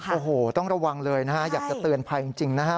โอ้โหต้องระวังเลยนะฮะอยากจะเตือนภัยจริงนะฮะ